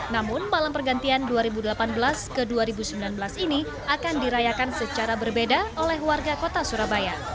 namun malam pergantian dua ribu delapan belas ke dua ribu sembilan belas ini akan dirayakan secara berbeda oleh warga kota surabaya